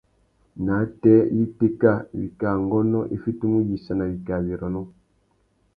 Nātê ya itéka, wikā ngônô i fitimú uyïssana iwí wirrônô.